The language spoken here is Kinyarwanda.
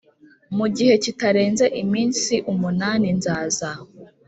mu gihe kitarenze iminsi umunani nzaza